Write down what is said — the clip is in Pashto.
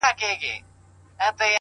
د سکون سرچینه رښتیني درک دی؛